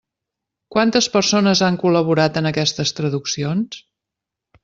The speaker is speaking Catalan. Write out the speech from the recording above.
Quantes persones han col·laborat en aquestes traduccions?